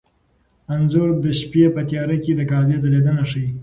انځور د شپې په تیاره کې د کعبې ځلېدنه ښيي.